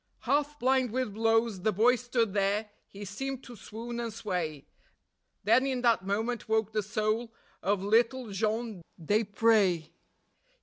Half blind with blows the boy stood there; he seemed to swoon and sway; Then in that moment woke the soul of little Jean Desprez.